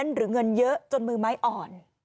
หรือเงินเยอะจนมือไม้อ่อน